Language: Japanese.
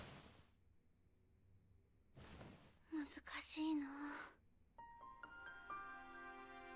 難しいなあ。